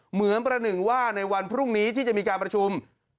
เหมือนประหนึ่งว่าในวันพรุ่งนี้ที่จะมีการประชุม